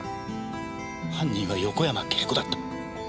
犯人は横山慶子だった。